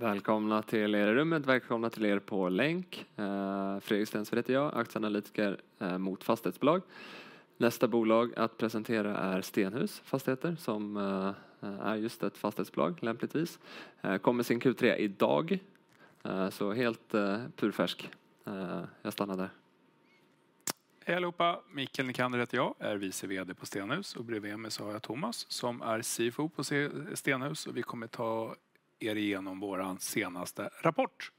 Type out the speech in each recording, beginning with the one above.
Välkomna till er i rummet! Välkomna till er på länk. Fredrik Stensved heter jag, aktieanalytiker mot fastighetsbolag. Nästa bolag att presentera är Stenhus Fastigheter, som är just ett fastighetsbolag, lämpligtvis. Kommer sin Q3 idag, så helt purfärsk. Jag stannar där. Hej allihopa! Mikael Nicander heter jag, är vice VD på Stenhus och bredvid mig så har jag Thomas, som är CFO på Stenhus och vi kommer ta er igenom vår senaste rapport.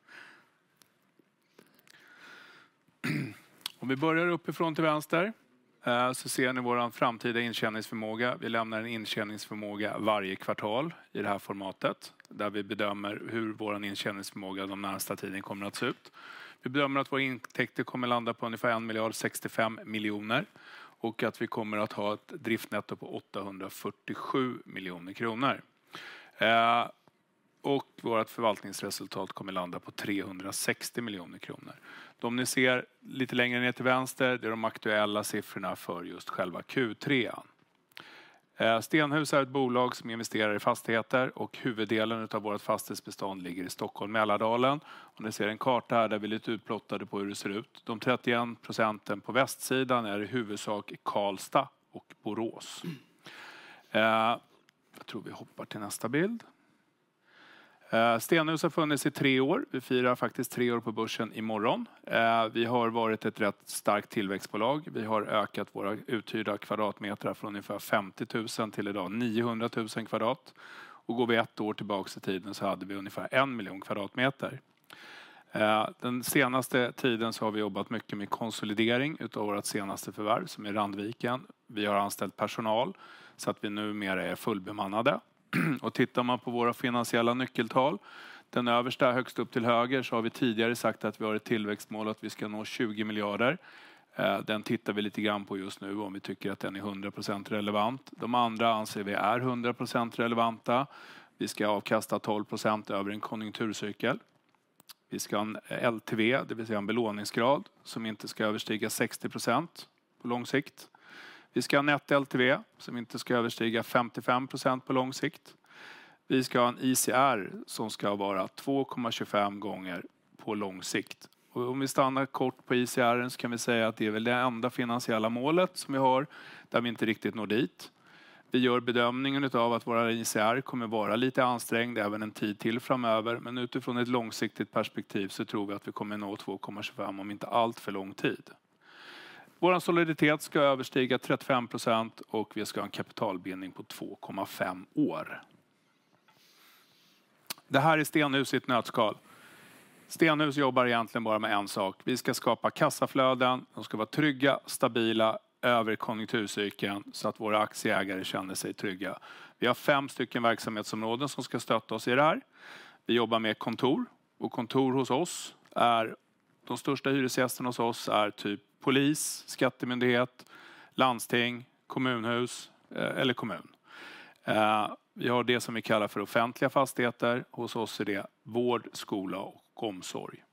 Om vi börjar uppifrån till vänster, så ser ni vår framtida intjäningsförmåga. Vi lämnar en intjäningsförmåga varje kvartal i det här formatet, där vi bedömer hur vår intjäningsförmåga den närmaste tiden kommer att se ut. Vi bedömer att våra intäkter kommer att landa på ungefär en miljard sextiofem miljoner och att vi kommer att ha ett driftnetto på åttahundrafyrtiosju miljoner kronor. Vårt förvaltningsresultat kommer att landa på trehundrasextio miljoner kronor. Det ni ser lite längre ner till vänster, det är de aktuella siffrorna för just själva Q3. Stenhus är ett bolag som investerar i fastigheter och huvuddelen av vårt fastighetsbestånd ligger i Stockholm, Mälardalen. Om ni ser en karta här där vi lite utplottade på hur det ser ut. De 31% på västsidan är i huvudsak Karlstad och Borås. Jag tror vi hoppar till nästa bild. Stenhus har funnits i tre år. Vi firar faktiskt tre år på börsen imorgon. Vi har varit ett rätt starkt tillväxtbolag. Vi har ökat våra uthyrda kvadratmeter från ungefär 50 000 till idag 900 000 kvadrat. Går vi ett år tillbaka i tiden så hade vi ungefär en miljon kvadratmeter. Den senaste tiden så har vi jobbat mycket med konsolidering av vårt senaste förvärv, som är Randviken. Vi har anställt personal så att vi numera är fullbemannade. Tittar man på våra finansiella nyckeltal, den översta högst upp till höger, så har vi tidigare sagt att vi har ett tillväxtmål att vi ska nå 20 miljarder. Den tittar vi lite grann på just nu om vi tycker att den är 100% relevant. De andra anser vi är 100% relevanta. Vi ska avkasta 12% över en konjunkturcykel. Vi ska ha en LTV, det vill säga en belåningsgrad, som inte ska överstiga 60% på lång sikt. Vi ska ha en netto LTV som inte ska överstiga 55% på lång sikt. Vi ska ha en ICR som ska vara 2,25 gånger på lång sikt. Om vi stannar kort på ICR:en så kan vi säga att det är väl det enda finansiella målet som vi har, där vi inte riktigt når dit. Vi gör bedömningen av att våra ICR kommer vara lite ansträngd även en tid till framöver, men utifrån ett långsiktigt perspektiv så tror vi att vi kommer att nå 2,25 om inte alltför lång tid. Vår soliditet ska överstiga 35% och vi ska ha en kapitalbindning på 2,5 år. Det här är Stenhus i ett nötskal. Stenhus jobbar egentligen bara med en sak: vi ska skapa kassaflöden, de ska vara trygga, stabila över konjunkturcykeln så att våra aktieägare känner sig trygga. Vi har fem stycken verksamhetsområden som ska stötta oss i det här. Vi jobbar med kontor och kontor hos oss är, de största hyresgästerna hos oss är typ polis, skattemyndighet, landsting, kommunhus eller kommun. Vi har det som vi kallar för offentliga fastigheter. Hos oss är det vård, skola och omsorg.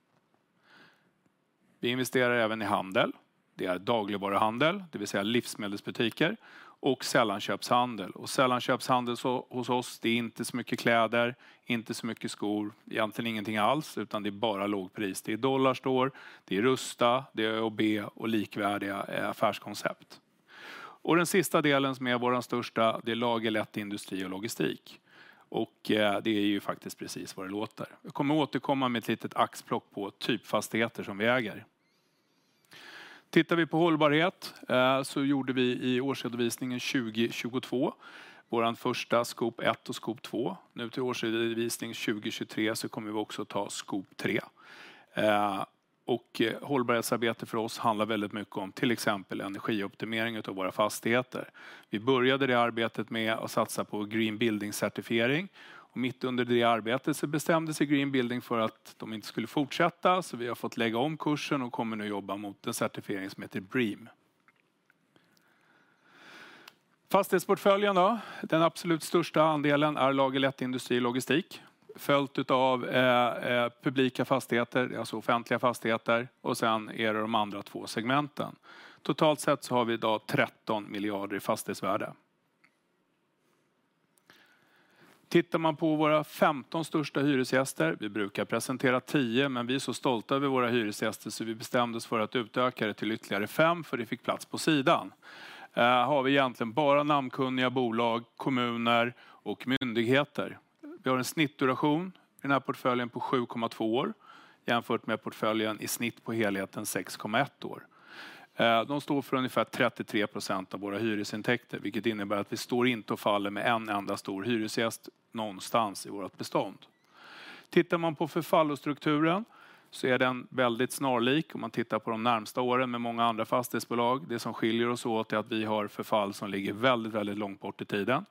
Vi investerar även i handel. Det är dagligvaruhandel, det vill säga livsmedelsbutiker och sällanköpshandel. Sällanköpshandel hos oss, det är inte så mycket kläder, inte så mycket skor, egentligen ingenting alls, utan det är bara lågpris. Det är Dollar Store, det är Rusta, det är ÖoB och likvärdiga affärskoncept. Och den sista delen som är vår största, det är lagerlätt industri och logistik. Och det är ju faktiskt precis vad det låter. Jag kommer återkomma med ett litet axplock på typfastigheter som vi äger. Tittar vi på hållbarhet, så gjorde vi i årsredovisningen 2022 vår första scope ett och scope två. Nu till årsredovisning 2023 så kommer vi också att ta scope tre. Hållbarhetsarbetet för oss handlar väldigt mycket om till exempel energioptimering av våra fastigheter. Vi började det arbetet med att satsa på Green Building-certifiering och mitt under det arbetet så bestämde sig Green Building för att de inte skulle fortsätta. Så vi har fått lägga om kursen och kommer nu att jobba mot en certifiering som heter BREEAM. Fastighetsportföljen då? Den absolut största andelen är lagerlätt industri och logistik, följt av publika fastigheter, alltså offentliga fastigheter och sedan är det de andra två segmenten. Totalt sett så har vi idag tretton miljarder i fastighetsvärde. Tittar man på våra femton största hyresgäster, vi brukar presentera tio, men vi är så stolta över våra hyresgäster så vi bestämde oss för att utöka det till ytterligare fem, för det fick plats på sidan, har vi egentligen bara namnkunniga bolag, kommuner och myndigheter. Vi har en snittduration i den här portföljen på 7,2 år, jämfört med portföljen i snitt på helheten 6,1 år. De står för ungefär 33% av våra hyresintäkter, vilket innebär att vi står inte och faller med en enda stor hyresgäst någonstans i vårt bestånd. Tittar man på förfallostrukturen så är den väldigt snarlik, om man tittar på de närmaste åren, med många andra fastighetsbolag. Det som skiljer oss åt är att vi har förfall som ligger väldigt, väldigt långt bort i tiden.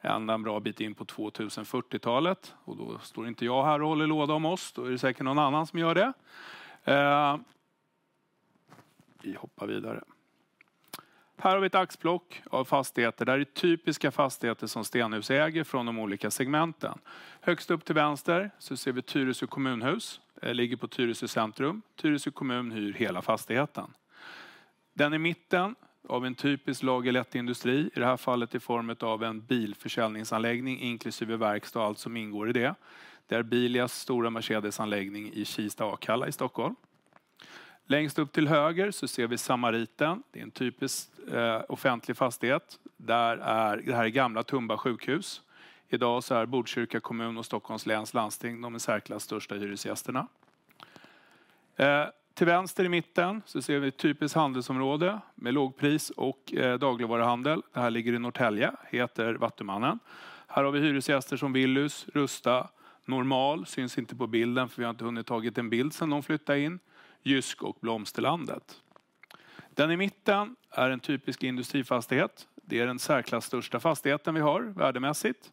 Ända en bra bit in på 2040-talet och då står inte jag här och håller låda om oss. Då är det säkert någon annan som gör det. Vi hoppar vidare. Här har vi ett axplock av fastigheter. Det här är typiska fastigheter som Stenhus äger från de olika segmenten. Högst upp till vänster så ser vi Tyresö kommunhus, ligger på Tyresö centrum. Tyresö kommun hyr hela fastigheten. Den i mitten av en typisk lagerlätt industri, i det här fallet i formen av en bilförsäljningsanläggning, inklusive verkstad, allt som ingår i det. Det är Bilias stora Mercedes-anläggning i Kista, Akalla i Stockholm. Längst upp till höger så ser vi Samariten. Det är en typisk offentlig fastighet. Där är, det här är gamla Tumba sjukhus. Idag så är det Botkyrka kommun och Stockholms läns landsting, de är säkert de största hyresgästerna. Till vänster i mitten så ser vi ett typiskt handelsområde med lågpris och dagligvaruhandel. Det här ligger i Norrtälje, heter Vattumannen. Här har vi hyresgäster som Willys, Rusta, Normal, syns inte på bilden för vi har inte hunnit tagit en bild sedan de flyttade in, Jysk och Blomsterlandet. Den i mitten är en typisk industrifastighet. Det är säkert den största fastigheten vi har, värdemässigt.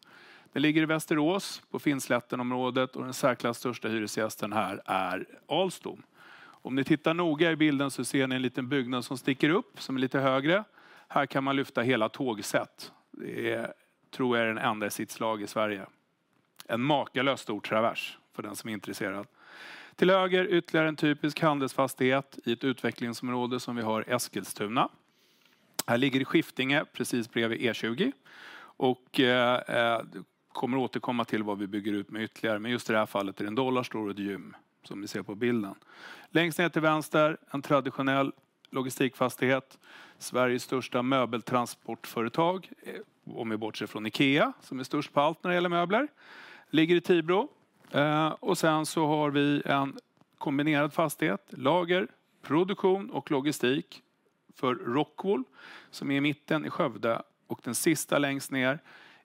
Den ligger i Västerås, på Finnslättenområdet och den säkert största hyresgästen här är Alstom. Om ni tittar noga i bilden så ser ni en liten byggnad som sticker upp, som är lite högre. Här kan man lyfta hela tågsätt. Det är tror jag den enda i sitt slag i Sverige. En makalöst stor travers för den som är intresserad. Till höger, ytterligare en typisk handelsfastighet i ett utvecklingsområde som vi har i Eskilstuna. Här ligger den i Skiftinge, precis bredvid E20. Och jag kommer återkomma till vad vi bygger ut med ytterligare, men just i det här fallet är det en dollarstore och ett gym, som ni ser på bilden. Längst ner till vänster, en traditionell logistikfastighet, Sveriges största möbeltransportföretag, om vi bortser från IKEA, som är störst på allt när det gäller möbler, ligger i Tibro. Och sedan så har vi en kombinerad fastighet, lager, produktion och logistik för Rockwool, som är i mitten i Skövde och den sista längst ner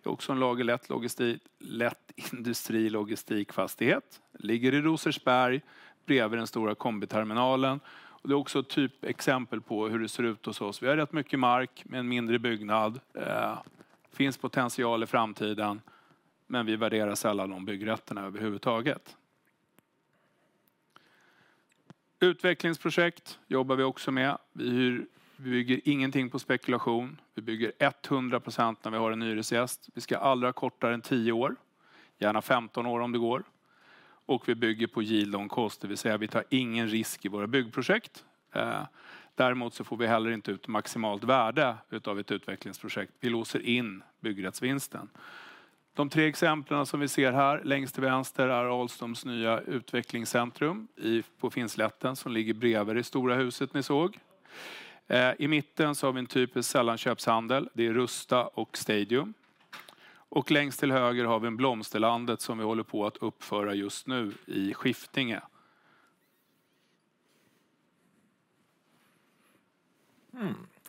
är också en lager, lätt logistik, lätt industrilogistikfastighet. Ligger i Rosersberg, bredvid den stora kombiterminalen. Det är också typexempel på hur det ser ut hos oss. Vi har rätt mycket mark med en mindre byggnad. Finns potential i framtiden, men vi värderar sällan de byggrätterna överhuvudtaget. Utvecklingsprojekt jobbar vi också med. Vi hyr, bygger ingenting på spekulation. Vi bygger 100% när vi har en hyresgäst. Vi ska aldrig ha kortare än tio år, gärna femton år om det går. Vi bygger på yield on cost, det vill säga vi tar ingen risk i våra byggprojekt. Däremot så får vi heller inte ut maximalt värde utav ett utvecklingsprojekt. Vi låser in byggrättsvinsten. De tre exemplen som vi ser här längst till vänster är Alstoms nya utvecklingscentrum på Finnslätten, som ligger bredvid det stora huset ni såg. I mitten så har vi en typisk sällanköpshandel, det är Rusta och Stadium. Längst till höger har vi en Blomsterlandet som vi håller på att uppföra just nu i Skiftinge.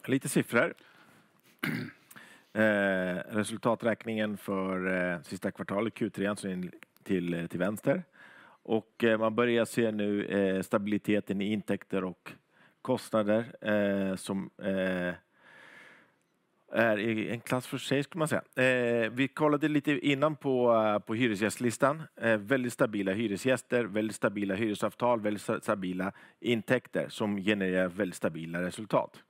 Lite siffror. Resultaträkningen för sista kvartalet, Q3 alltså, till vänster. Och man börjar se nu stabiliteten i intäkter och kostnader som är i en klass för sig skulle man säga. Vi kollade lite innan på hyresgästlistan. Väldigt stabila hyresgäster, väldigt stabila hyresavtal, väldigt stabila intäkter som genererar väldigt stabila resultat.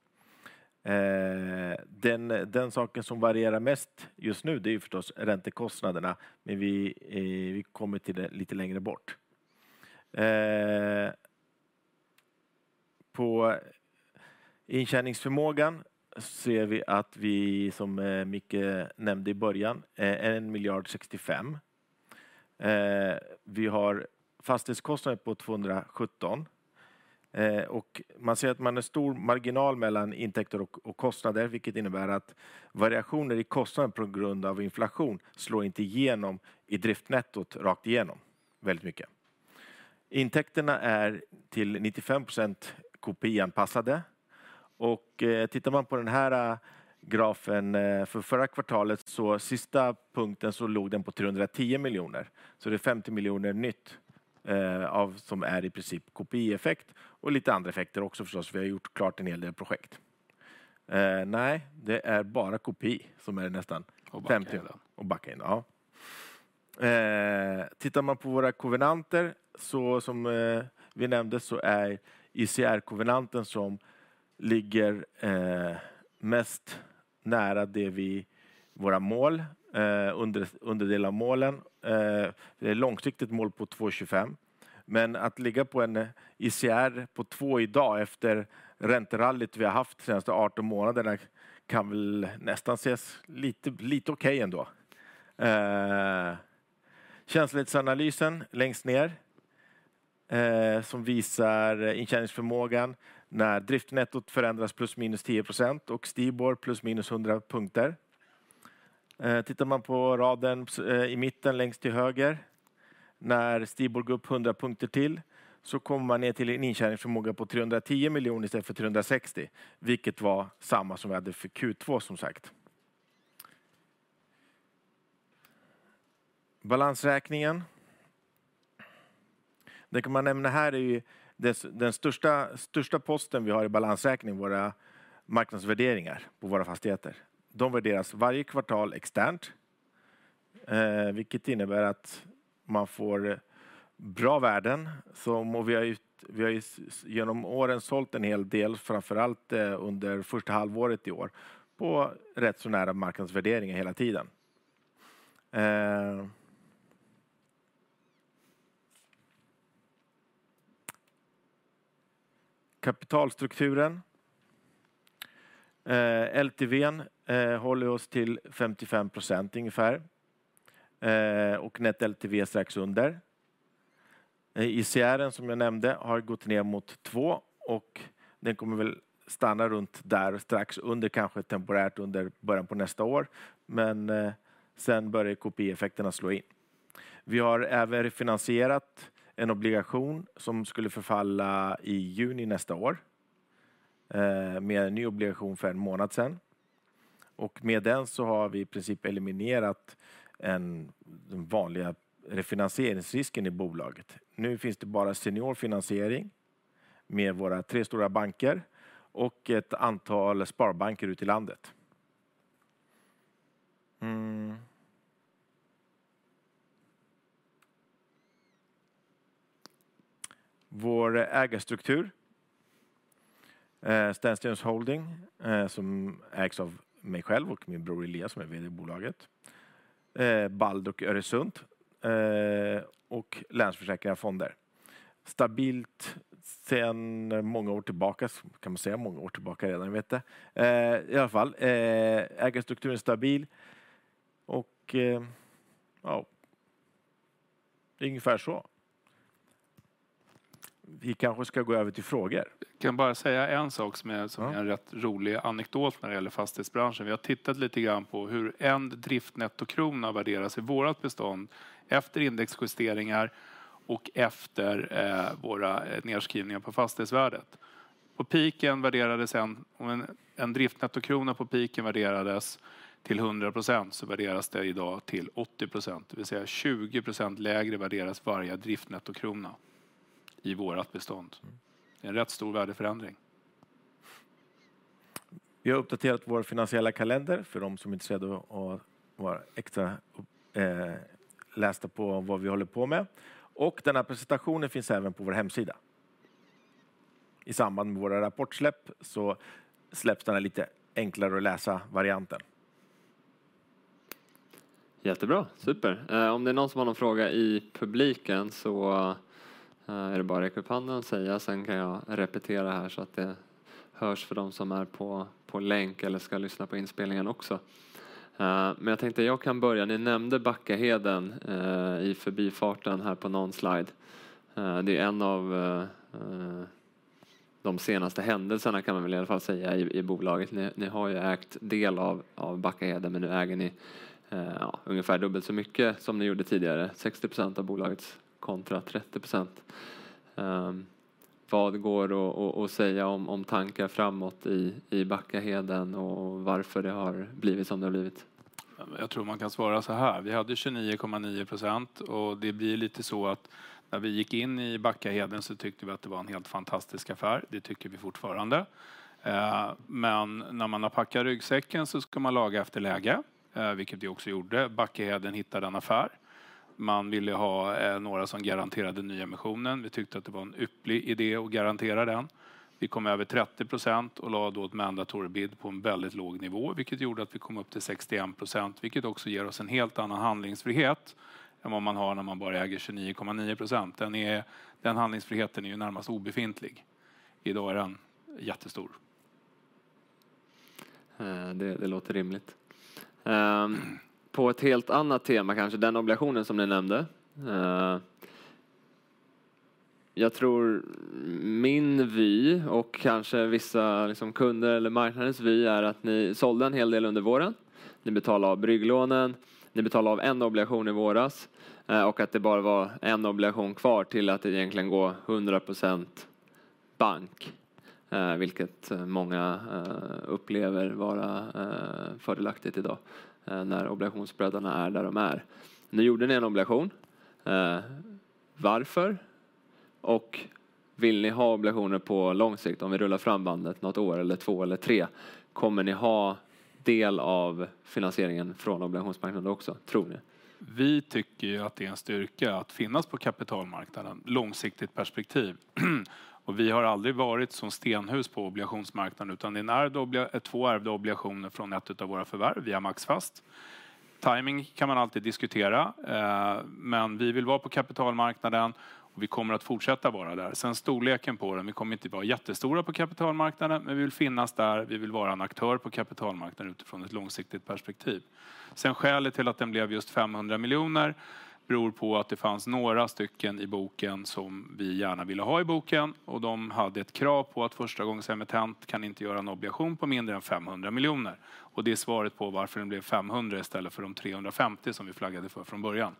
Den saken som varierar mest just nu, det är förstås räntekostnaderna, men vi kommer till det lite längre bort. På intjäningsförmågan ser vi att vi, som Micke nämnde i början, en miljard sextiofem. Vi har fastighetskostnader på tvåhundrasjutton. Och man ser att man har en stor marginal mellan intäkter och kostnader, vilket innebär att variationer i kostnaden på grund av inflation slår inte igenom i driftnettot rakt igenom väldigt mycket. Intäkterna är till 95% KPI-anpassade och tittar man på den här grafen för förra kvartalet, så sista punkten så låg den på 310 miljoner. Så det är 50 miljoner nytt som är i princip KPI-effekt och lite andra effekter också förstås. Vi har gjort klart en hel del projekt. Det är bara KPI som är nästan och backa in. Tittar man på våra kovenanter, så som vi nämnde, så är ICR-kovenanten som ligger mest nära det vi, våra mål under del av målen. Det är ett långsiktigt mål på 2,25, men att ligga på en ICR på 2 idag efter ränterallyt vi har haft de senaste 18 månaderna kan väl nästan ses lite okej ändå. Känslighetsanalysen längst ner som visar intjäningsförmågan när driftnettot förändras plus minus 10% och Stibor plus minus 100 punkter. Tittar man på raden i mitten, längst till höger, när Stibor går upp hundra punkter till, så kommer man ner till en intjäningsförmåga på 310 miljoner istället för 360 miljoner, vilket var samma som vi hade för Q2, som sagt. Balansräkningen. Det kan man nämna här är ju den största posten vi har i balansräkningen, våra marknadsvärderingar på våra fastigheter. De värderas varje kvartal externt, vilket innebär att man får bra värden. Som vi har, vi har igenom åren sålt en hel del, framför allt under första halvåret i år, på rätt så nära marknadsvärdering hela tiden. Kapitalstrukturen. LTV:n håller oss till 55% ungefär, och net LTV strax under. ICR:en, som jag nämnde, har gått ner mot två och den kommer väl stanna runt där strax under, kanske temporärt under början på nästa år. Men sen börjar KPI-effekterna slå in. Vi har även finansierat en obligation som skulle förfalla i juni nästa år med en ny obligation för en månad sedan. Och med den så har vi i princip eliminerat den vanliga refinansieringsrisken i bolaget. Nu finns det bara senior finansiering med våra tre stora banker och ett antal sparbanker ute i landet. Vår ägarstruktur, Stensjöns Holding, som ägs av mig själv och min bror Elias, som är VD i bolaget, Bald och Öresund, och Länsförsäkringar fonder. Stabilt sedan många år tillbaka, kan man säga många år tillbaka redan. Ägarstrukturen är stabil och, ja, det är ungefär så. Vi kanske ska gå över till frågor. Kan bara säga en sak som är, som är en rätt rolig anekdot när det gäller fastighetsbranschen. Vi har tittat lite grann på hur en driftnettokrona värderas i vårt bestånd efter indexjusteringar och efter våra nedskrivningar på fastighetsvärdet. På peaken värderades en, om en driftnettokrona på peaken värderades till 100%, så värderas det idag till 80%. Det vill säga 20% lägre värderas varje driftnettokrona i vårt bestånd. En rätt stor värdeförändring. Vi har uppdaterat vår finansiella kalender för de som är intresserade av att vara extra lästa på vad vi håller på med. Och den här presentationen finns även på vår hemsida. I samband med våra rapportsläpp så släpps den här lite enklare att läsa varianten. Jättebra, super! Om det är någon som har någon fråga i publiken så är det bara att räcka upp handen och säga. Sen kan jag repetera här så att det hörs för de som är på länk eller ska lyssna på inspelningen också. Men jag tänkte jag kan börja. Ni nämnde Backaheden i förbifarten här på någon slide. Det är en av de senaste händelserna kan man väl i alla fall säga i bolaget. Ni har ju ägt del av Backaheden, men nu äger ni, ja, ungefär dubbelt så mycket som ni gjorde tidigare, 60% av bolaget kontra 30%. Vad går att säga om tankar framåt i Backaheden och varför det har blivit som det har blivit? Jag tror man kan svara såhär: Vi hade 29,9% och det blir lite så att när vi gick in i Backaheden så tyckte vi att det var en helt fantastisk affär. Det tycker vi fortfarande. Men när man har packat ryggsäcken så ska man laga efter läge, vilket vi också gjorde. Backaheden hittade en affär. Man ville ha några som garanterade nyemissionen. Vi tyckte att det var en ypperlig idé att garantera den. Vi kom över 30% och la då ett mandatory bid på en väldigt låg nivå, vilket gjorde att vi kom upp till 61%, vilket också ger oss en helt annan handlingsfrihet än vad man har när man bara äger 29,9%. Den handlingsfriheten är ju närmast obefintlig. Idag är den jättestor. Det låter rimligt. På ett helt annat tema, kanske den obligationen som ni nämnde. Jag tror min vy och kanske vissa, liksom kunder eller marknadens vy är att ni sålde en hel del under våren. Ni betalade av brygglånen, ni betalade av en obligation i våras och att det bara var en obligation kvar till att egentligen gå 100% bank, vilket många upplever vara fördelaktigt i dag när obligationsspridarna är där de är. Nu gjorde ni en obligation. Varför? Och vill ni ha obligationer på lång sikt? Om vi rullar fram bandet något år eller två eller tre, kommer ni ha del av finansieringen från obligationsmarknaden också, tror ni? Vi tycker att det är en styrka att finnas på kapitalmarknaden, långsiktigt perspektiv. Vi har aldrig varit som Stenhus på obligationsmarknaden, utan det är en ärvd, två ärvda obligationer från ett av våra förvärv via Maxfast. Timing kan man alltid diskutera, men vi vill vara på kapitalmarknaden och vi kommer att fortsätta vara där. Sen storleken på den, vi kommer inte vara jättestora på kapitalmarknaden, men vi vill finnas där. Vi vill vara en aktör på kapitalmarknaden utifrån ett långsiktigt perspektiv. Sen skälet till att den blev just 500 miljoner beror på att det fanns några stycken i boken som vi gärna ville ha i boken, och de hade ett krav på att förstagångsemittent kan inte göra en obligation på mindre än 500 miljoner. Det är svaret på varför den blev 500 istället för de 350 som vi flaggade för från början.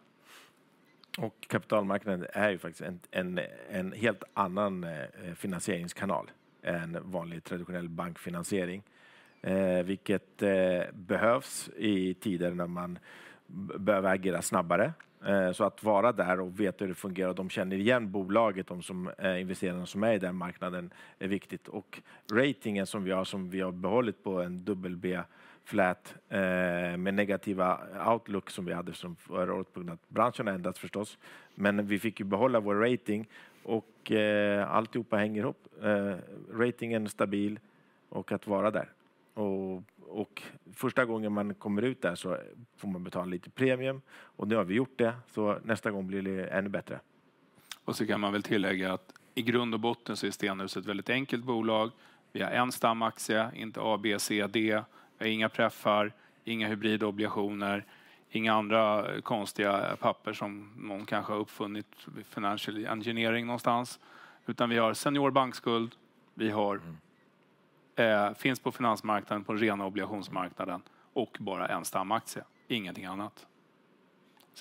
Kapitalmarknaden är ju faktiskt en helt annan finansieringskanal än vanlig traditionell bankfinansiering, vilket behövs i tider när man behöver agera snabbare. Att vara där och veta hur det fungerar, de känner igen bolaget, de som är investerare, som är i den marknaden, är viktigt. Ratingen som vi har, som vi har behållit på en dubbel B flat, med negativa outlook som vi hade från förra året på grund av att branscherna ändrats förstås. Men vi fick ju behålla vår rating och alltihop hänger ihop. Ratingen är stabil och att vara där... Första gången man kommer ut där så får man betala lite premium och nu har vi gjort det, så nästa gång blir det ännu bättre. Och så kan man väl tillägga att i grund och botten så är Stenhus ett väldigt enkelt bolag. Vi har en stamaktie, inte A, B, C, D. Vi har inga preffar, inga hybridobligationer, inga andra konstiga papper som någon kanske har uppfunnit vid financial engineering någonstans. Utan vi har senior bankskuld, vi har, finns på finansmarknaden, på den rena obligationsmarknaden och bara en stamaktie, ingenting annat.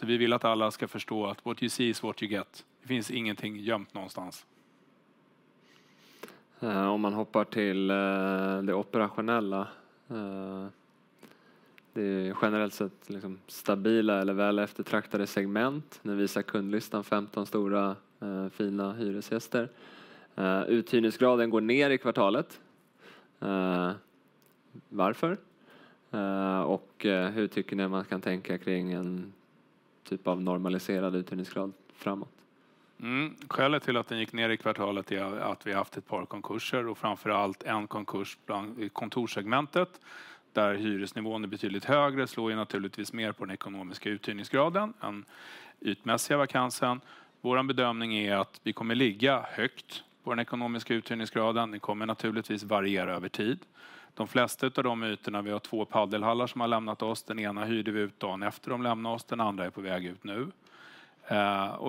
Vi vill att alla ska förstå att what you see is what you get. Det finns ingenting gömt någonstans. Om man hoppar till det operationella. Det är generellt sett stabila eller väl eftertraktade segment. Ni visar kundlistan, femton stora, fina hyresgäster. Uthyrningsgraden går ner i kvartalet. Varför? Och hur tycker ni man kan tänka kring en typ av normaliserad uthyrningsgrad framåt? Skälet till att den gick ner i kvartalet är att vi haft ett par konkurser och framför allt en konkurs bland kontorssegmentet, där hyresnivån är betydligt högre, slår ju naturligtvis mer på den ekonomiska uthyrningsgraden än ytmässiga vakansen. Vår bedömning är att vi kommer att ligga högt på den ekonomiska uthyrningsgraden. Det kommer naturligtvis variera över tid. De flesta av de ytorna, vi har två padelhallar som har lämnat oss. Den ena hyrde vi ut dagen efter de lämnade oss, den andra är på väg ut nu.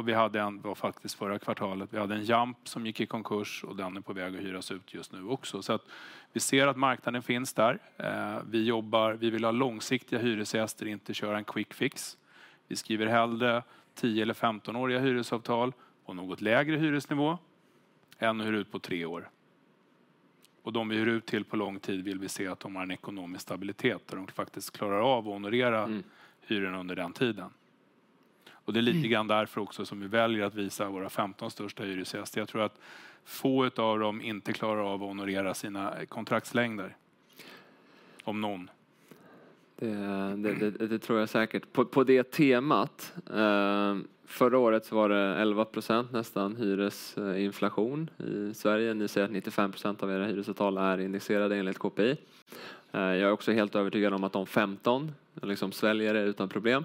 Vi hade en, det var faktiskt förra kvartalet, vi hade en jump som gick i konkurs och den är på väg att hyras ut just nu också. Vi ser att marknaden finns där. Vi jobbar, vi vill ha långsiktiga hyresgäster, inte köra en quick fix. Vi skriver hellre tio eller femtonåriga hyresavtal på något lägre hyresnivå än att hyra ut på tre år. Och de vi hyr ut till på lång tid vill vi se att de har en ekonomisk stabilitet där de faktiskt klarar av att honorera hyrorna under den tiden. Och det är lite grann därför också som vi väljer att visa våra femton största hyresgäster. Jag tror att få av dem inte klarar av att honorera sina kontraktslängder, om någon. Det, det tror jag säkert. På det temat, förra året så var det 11% nästan hyresinflation i Sverige. Ni säger att 95% av era hyresavtal är indexerade enligt KPI. Jag är också helt övertygad om att de 15% liksom sväljer det utan problem.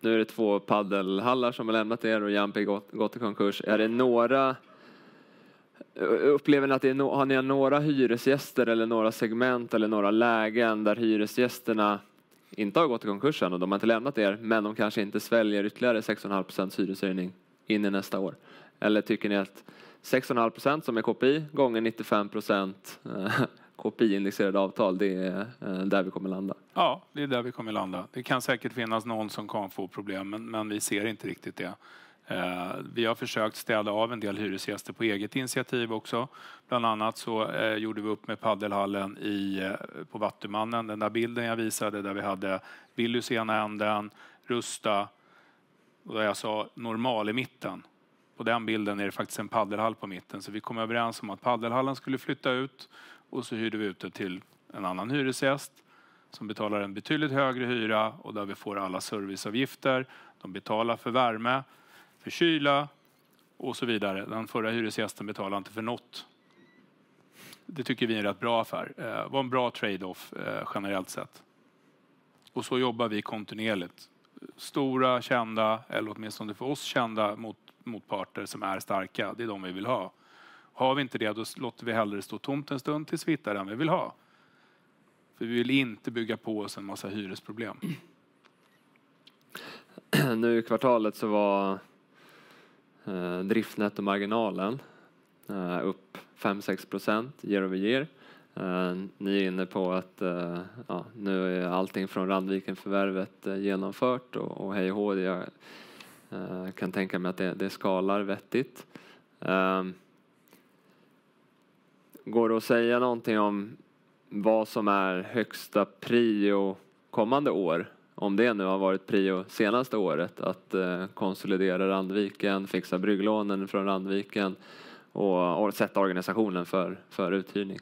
Nu är det två padelhallar som har lämnat er och Jump har gått i konkurs. Är det några... Upplever ni att det, har ni några hyresgäster eller några segment eller några lägen där hyresgästerna inte har gått i konkurs än och de har inte lämnat er, men de kanske inte sväljer ytterligare 6,5% hyreshöjning in i nästa år? Eller tycker ni att 6,5%, som är KPI, gånger 95% KPI-indexerade avtal, det är där vi kommer landa? Ja, det är där vi kommer landa. Det kan säkert finnas någon som kan få problem, men vi ser inte riktigt det. Vi har försökt städa av en del hyresgäster på eget initiativ också. Bland annat så gjorde vi upp med padelhallen på Vattumannen. Den där bilden jag visade där vi hade Billy i ena änden, Rusta och där jag sa Normal i mitten. På den bilden är det faktiskt en padelhall på mitten. Så vi kom överens om att padelhallen skulle flytta ut och så hyrde vi ut det till en annan hyresgäst som betalar en betydligt högre hyra och där vi får alla serviceavgifter. De betalar för värme, för kyla och så vidare. Den förra hyresgästen betalar inte för något. Det tycker vi är en rätt bra affär. Det var en bra trade off generellt sett. Och så jobbar vi kontinuerligt. Stora, kända, eller åtminstone för oss kända motparter som är starka, det är de vi vill ha. Har vi inte det, då låter vi hellre stå tomt en stund tills vi hittar den vi vill ha. För vi vill inte bygga på oss en massa hyresproblem. Nu i kvartalet så var driftnettomarginalen upp fem, sex procent, year over year. Ni är inne på att, ja, nu är allting från Randvikenförvärvet genomfört och hej och hå. Jag kan tänka mig att det skalar vettigt. Går det att säga någonting om vad som är högsta prio kommande år? Om det nu har varit prio senaste året att konsolidera Randviken, fixa brygglånen från Randviken och sätta organisationen för uthyrning.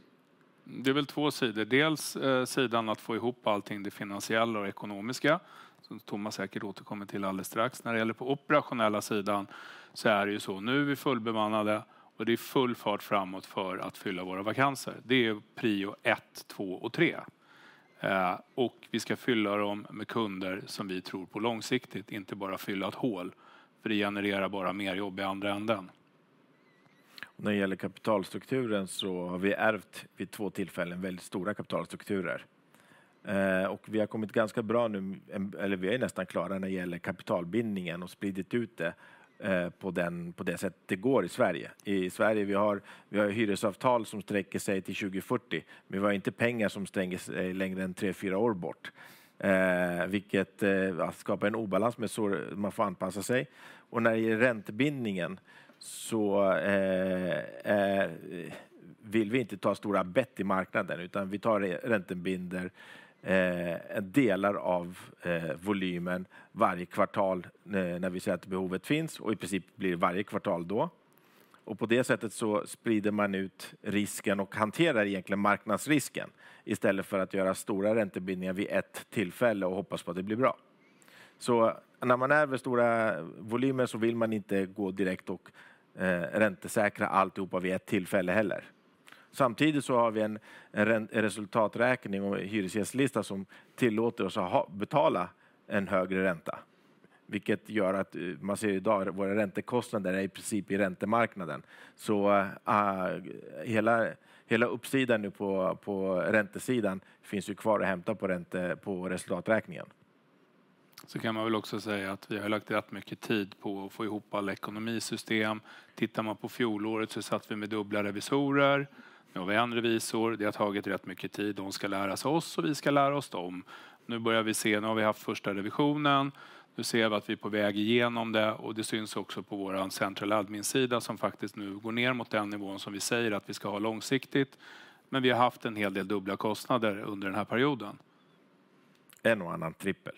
Det är väl två sidor. Dels sidan att få ihop allting, det finansiella och ekonomiska, som Thomas säkert återkommer till alldeles strax. När det gäller på operationella sidan så är det ju så, nu är vi fullbemannade och det är full fart framåt för att fylla våra vakanser. Det är prio ett, två och tre. Och vi ska fylla dem med kunder som vi tror på långsiktigt, inte bara fylla ett hål, för det genererar bara mer jobb i andra änden. När det gäller kapitalstrukturen så har vi ärvt vid två tillfällen väldigt stora kapitalstrukturer. Vi har kommit ganska bra nu, eller vi är nästan klara när det gäller kapitalbindningen och spridit ut det på det sätt det går i Sverige. I Sverige har vi hyresavtal som sträcker sig till 2040, men vi har inte pengar som sträcker sig längre än tre, fyra år bort, vilket skapar en obalans, men så man får anpassa sig. När det gäller räntebindningen så vill vi inte ta stora bett i marknaden, utan vi tar räntebinder delar av volymen varje kvartal när vi ser att behovet finns och i princip blir det varje kvartal då. Och på det sättet så sprider man ut risken och hanterar egentligen marknadsrisken istället för att göra stora räntebindningar vid ett tillfälle och hoppas på att det blir bra. När man är med stora volymer så vill man inte gå direkt och räntesäkra alltihop vid ett tillfälle heller. Samtidigt så har vi en resultaträkning och hyresgästslista som tillåter oss att betala en högre ränta, vilket gör att man ser idag att våra räntekostnader är i princip i räntemarknaden. Hela uppsidan nu på räntesidan finns ju kvar att hämta på resultaträkningen. Så kan man väl också säga att vi har lagt rätt mycket tid på att få ihop alla ekonomisystem. Tittar man på fjolåret så satt vi med dubbla revisorer. Nu har vi en revisor. Det har tagit rätt mycket tid. De ska lära sig oss och vi ska lära oss dem. Nu börjar vi se, nu har vi haft första revisionen. Nu ser vi att vi är på väg igenom det och det syns också på vår central adminsida som faktiskt nu går ner mot den nivån som vi säger att vi ska ha långsiktigt. Men vi har haft en hel del dubbla kostnader under den här perioden. En och annan trippel.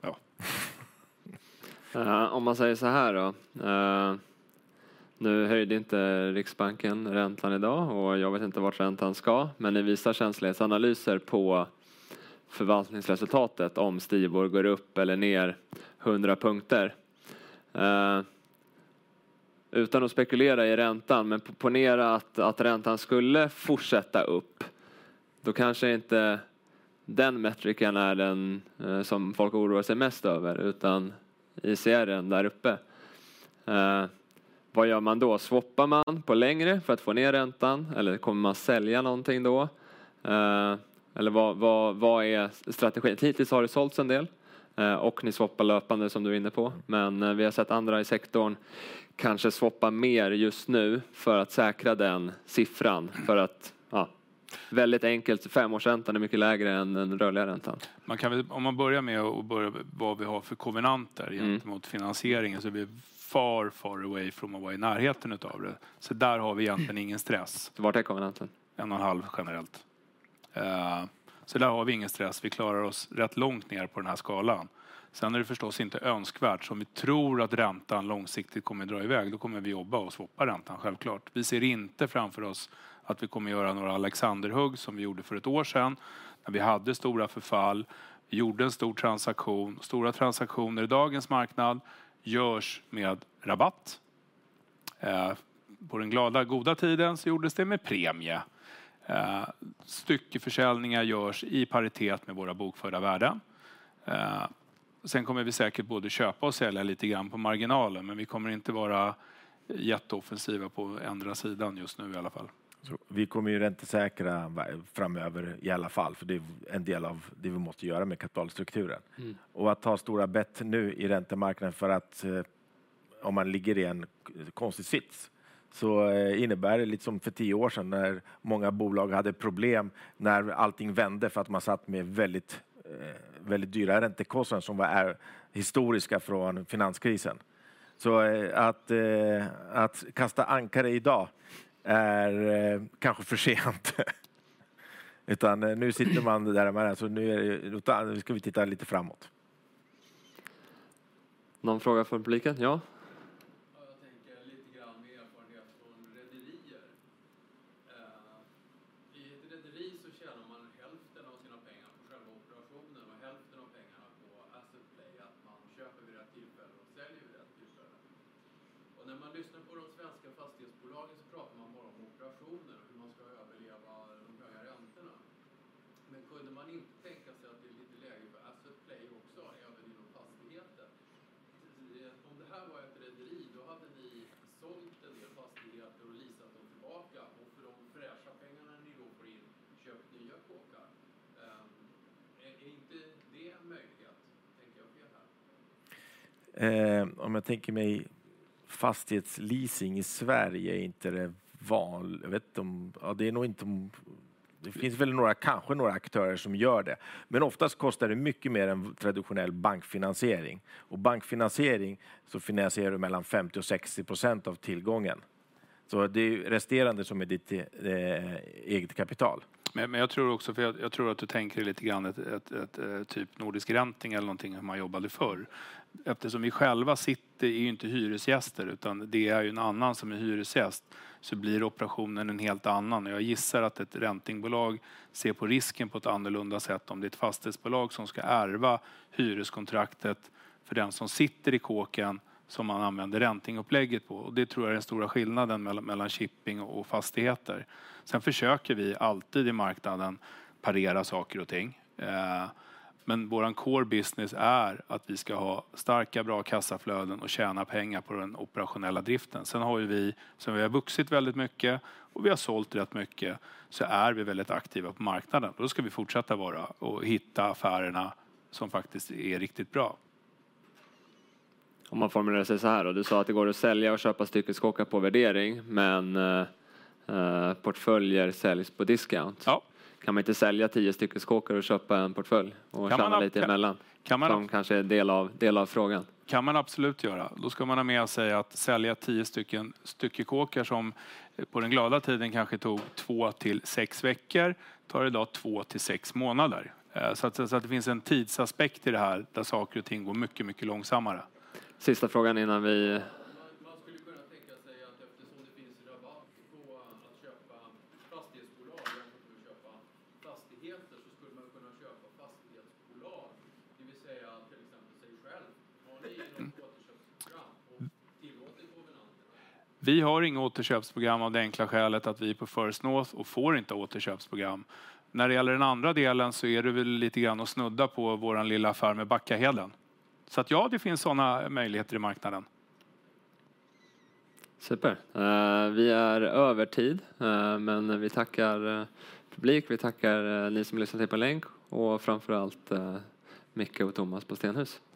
Ja. Om man säger såhär då. Nu höjde inte Riksbanken räntan idag och jag vet inte vart räntan ska, men ni visar känslighetsanalyser på förvaltningsresultatet om Stibor går upp eller ner hundra punkter. Utan att spekulera i räntan, men ponera att räntan skulle fortsätta upp, då kanske inte den metrikern är den som folk oroar sig mest över, utan ICR:en där uppe. Vad gör man då? Swappar man på längre för att få ner räntan eller kommer man sälja någonting då? Eller vad är strategin? Hittills har det sålts en del och ni swappar löpande som du är inne på, men vi har sett andra i sektorn kanske swappa mer just nu för att säkra den siffran. För att, ja, väldigt enkelt, femårsräntan är mycket lägre än den rörliga räntan. Man kan väl, om man börjar med och börja vad vi har för kovenanter gentemot finansieringen, så är vi far, far away from att vara i närheten utav det. Så där har vi egentligen ingen stress. Var är förbundet? En och en halv generellt. Så där har vi ingen stress. Vi klarar oss rätt långt ner på den här skalan. Sen är det förstås inte önskvärt. Så om vi tror att räntan långsiktigt kommer att dra i väg, då kommer vi jobba och swappa räntan, självklart. Vi ser inte framför oss att vi kommer att göra några Alexanderhugg som vi gjorde för ett år sedan, när vi hade stora förfall. Vi gjorde en stor transaktion. Stora transaktioner i dagens marknad görs med rabatt. På den glada, goda tiden så gjordes det med premie. Styckeförsäljningar görs i paritet med våra bokförda värden. Sen kommer vi säkert både köpa och sälja lite grann på marginalen, men vi kommer inte vara jätteoffensiva på att ändra sidan just nu i alla fall. Vi kommer att räntesäkra framöver i alla fall, för det är en del av det vi måste göra med kapitalstrukturen. Mm. Och att ta stora bet nu i räntemarknaden för att om man ligger i en konstig sits, så innebär det lite som för tio år sedan, när många bolag hade problem, när allting vände för att man satt med väldigt, väldigt dyra räntekostnader som var historiska från finanskrisen. Så att kasta ankare idag är kanske för sent. Utan nu sitter man där man är, så nu är det, nu ska vi titta lite framåt. Någon fråga från publiken? Ja. Ja, jag tänker lite grann med erfarenhet från rederier. I ett rederi så tjänar man hälften av sina pengar på själva operationen och hälften av pengarna på asset play, att man köper vid rätt tillfälle och säljer vid rätt tillfälle. När man lyssnar på de svenska fastighetsbolagen så pratar man bara om operationer och hur man ska överleva de höga räntorna. Men kunde man inte tänka sig att det är lite läge för asset play också, även inom fastigheter? Om det här var ett rederi, då hade ni sålt en del fastigheter och leasat dem tillbaka och för de fräscha pengarna ni då får in köpt nya kåkar. Är inte det en möjlighet? Tänker jag fel här. Om jag tänker mig fastighetsleasing i Sverige är inte det vanligt. Jag vet inte om, ja, det är nog inte... Det finns väl några, kanske några aktörer som gör det, men oftast kostar det mycket mer än traditionell bankfinansiering. Och bankfinansiering så finansierar du mellan 50% och 60% av tillgången. Så det är ju resterande som är ditt eget kapital. Men jag tror också, för jag tror att du tänker lite grann ett, typ Nordisk Ränting eller någonting som man jobbade förr. Eftersom vi själva sitter, är ju inte hyresgäster, utan det är ju en annan som är hyresgäst, så blir operationen en helt annan. Jag gissar att ett räntingbolag ser på risken på ett annorlunda sätt. Om det är ett fastighetsbolag som ska ärva hyreskontraktet för den som sitter i kåken, som man använder räntingupplägget på. Det tror jag är den stora skillnaden mellan shipping och fastigheter. Sen försöker vi alltid i marknaden parera saker och ting. Men vår core business är att vi ska ha starka, bra kassaflöden och tjäna pengar på den operationella driften. Sen har ju vi, som vi har vuxit väldigt mycket och vi har sålt rätt mycket, så är vi väldigt aktiva på marknaden. Då ska vi fortsätta vara och hitta affärerna som faktiskt är riktigt bra. Om man formulerar sig såhär då. Du sa att det går att sälja och köpa styckekåkar på värdering, men portföljer säljs på discount. Ja. Kan man inte sälja tio stycken kåkar och köpa en portfölj och tjäna lite emellan? Kan man- Som kanske är en del av, del av frågan. Kan man absolut göra. Då ska man ha med sig att sälja tio stycken styckekåkar som på den glada tiden kanske tog två till sex veckor, tar idag två till sex månader. Så att säga, så att det finns en tidsaspekt i det här, där saker och ting går mycket, mycket långsammare. Sista frågan innan vi- Man skulle kunna tänka sig att eftersom det finns rabatt på att köpa fastighetsbolag jämfört med att köpa fastigheter, så skulle man kunna köpa fastighetsbolag, det vill säga till exempel sig själv. Har ni något återköpsprogram och tillåter kovenanten? Vi har inget återköpsprogram av det enkla skälet att vi är på föreslås och får inte återköpsprogram. När det gäller den andra delen så är det väl lite grann att snudda på vår lilla affär med Backaheden. Så att ja, det finns sådana möjligheter i marknaden. Super! Vi är övertid, men vi tackar publiken, vi tackar er som lyssnar till på länk och framför allt Micke och Thomas på Stenhus. Tack!